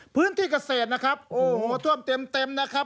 พื้นที่เกษตรนะครับโอ้โหท่วมเต็มนะครับ